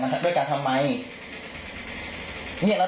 มาที่สแก่มันก็ตัจเอามาทิวบูปเตอร์กันเลย